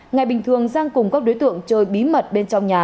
ngày bình thường giang cùng các đối tượng chơi bí mật bên trong nhà